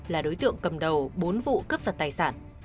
là đối tượng cầm đầu bốn vụ cấp giật tài sản